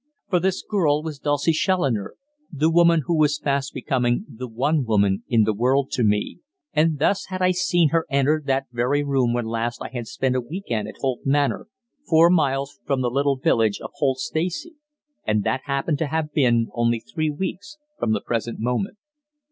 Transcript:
For this girl was Dulcie Challoner the woman who was fast becoming the one woman in the world to me, and thus had I seen her enter that very room when last I had spent a week end at Holt Manor, four miles from the little village of Holt Stacey and that happened to have been only three weeks from the present moment.